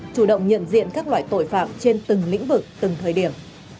chủ động nhận diện các loại tội phạm trên từng lĩnh vực từng thời điểm